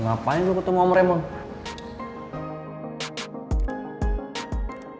ngapain lo ketemu om raymond